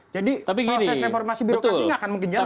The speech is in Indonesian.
jadi proses reformasi birokrasi nggak akan mungkin jalan